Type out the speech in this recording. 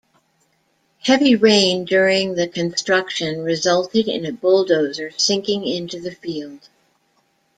Heavy rain during the construction resulted in a bulldozer sinking into the field.